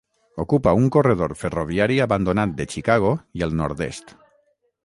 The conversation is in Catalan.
Ocupa un corredor ferroviari abandonat de Chicago i el Nord-est.